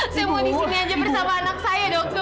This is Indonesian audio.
saya mau di sini aja bersama anak saya dokter